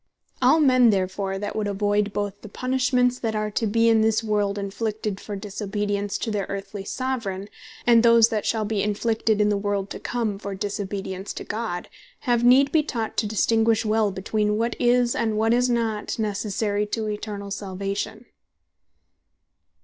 All men therefore that would avoid, both the punishments that are to be in this world inflicted, for disobedience to their earthly Soveraign, and those that shall be inflicted in the world to come for disobedience to God, have need be taught to distinguish well between what is, and what is not Necessary to Eternall Salvation.